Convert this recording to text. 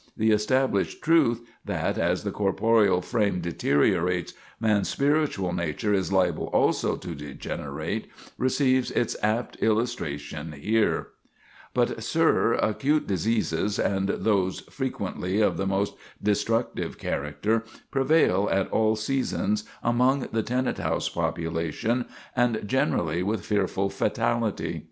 The established truth, that, as the corporeal frame deteriorates, man's spiritual nature is liable also to degenerate, receives its apt illustration here." [Sidenote: Prevailing Diseases] But, sir, acute diseases, and those frequently of the most destructive character, prevail at all seasons among the tenant house population, and generally with fearful fatality.